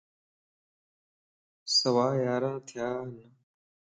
سوا ياران ٿيان